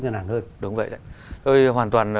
ngân hàng hơn đúng vậy đấy tôi hoàn toàn